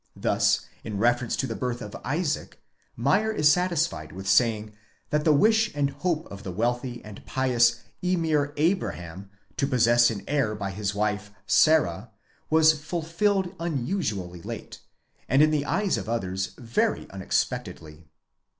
Thus, in reference to the birth of Isaac, Meyer is satisfied with saying, that the wish and hope of the wealthy and pious Emir Abraham to possess an heir by his wife Sara was fulfilled unusually late, and in the eyes of others very unex pectedly.